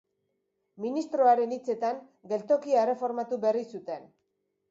Ministroaren hitzetan, geltokia erreformatu berri zuten.